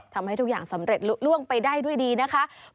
ทำให้ทุกอย่างสำเร็จล่วงไปได้ด้วยดีนะคะ